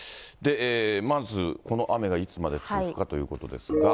まずこの雨がいつまで続くかということですが。